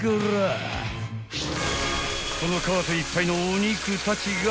［このカートいっぱいのお肉たちが］